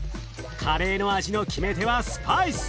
カレーの味の決め手はスパイス。